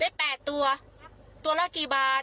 ๘ตัวตัวละกี่บาท